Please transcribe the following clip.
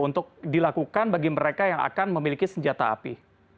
untuk dilakukan bagi mereka yang akan memiliki senjata api